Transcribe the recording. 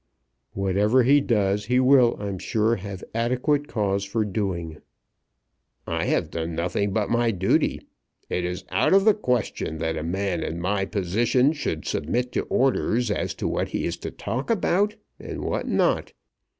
"Whatever he does, he will, I am sure, have adequate cause for doing." "I have done nothing but my duty. It is out of the question that a man in my position should submit to orders as to what he is to talk about and what not.